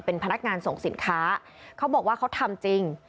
เป็นพนักงานส่งสินค้าเขาบอกว่าเขาทำจริง